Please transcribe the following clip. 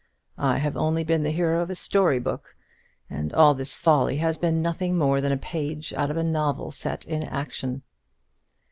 I have only been the hero of a story book; and all this folly has been nothing more than a page out of a novel set in action.